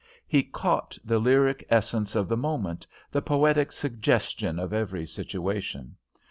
He caught the lyric essence of the moment, the poetic suggestion of every situation.